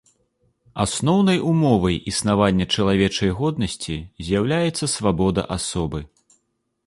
Асноўнай умовай існавання чалавечай годнасці з'яўляецца свабода асобы.